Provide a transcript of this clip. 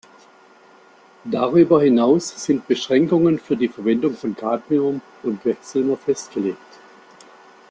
Darüber hinaus sind Beschränkungen für die Verwendung von Cadmium und Quecksilber festgelegt.